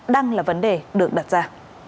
đang là vấn đề được đặt ra